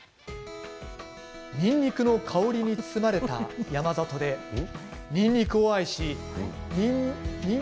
にんにくの香りに包まれた山里でにんにく泰郎さん？